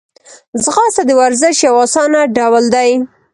ځغاسته د ورزش یو آسانه ډول دی